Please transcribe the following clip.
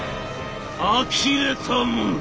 「あきれたもんだ。